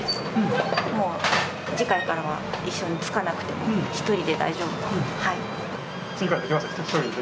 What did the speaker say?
もう次回からは一緒に付かなくても１人で大丈夫？